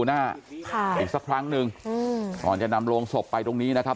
หน้าอีกสักครั้งนึงก่อนจะนำโรงศพไปตรงนี้นะครับท่าน